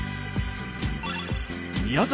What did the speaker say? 宮崎